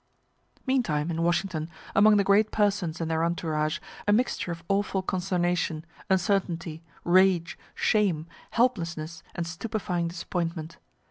Meantime, in Washington, among the great persons and their entourage, a mixture of awful consternation, uncertainty, rage, shame, helplessness, and stupefying disappointment.